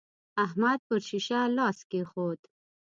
هلک پر شيشه لاس کېښود.